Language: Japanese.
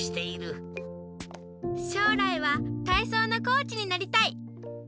しょうらいはたいそうのコーチになりたい！